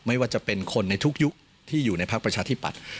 ไม่ว่าจะเป็นคนในทุกยุคที่อยู่ในพักประชาธิปัตย์